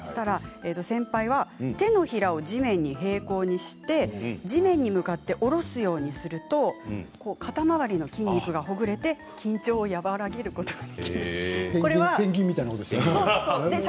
先輩は、手のひらを地面に平行にして地面に向かって下ろすようにすると肩回りの筋肉がほぐれて緊張を和らげることができると。